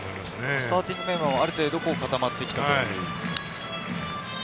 スターティングメンバーもある程度固まってきたという。